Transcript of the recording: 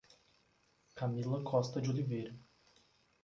Camila Costa de Oliveira